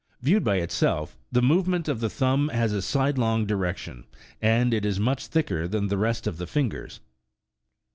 Viewed by itself, the movement of the thumb has a sidelong direction, and it is much thicker than the rest of the fingers.